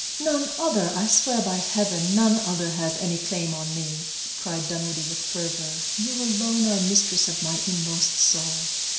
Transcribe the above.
"None other, I swear by Heaven, none other has any claim on me!" cried Dunwoodie, with fervor. "You alone are mistress of my inmost soul."